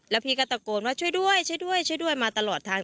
แล้วพี่ก็ตะโกนว่าช่วยด้วยช่วยด้วยช่วยด้วยมาตลอดทาง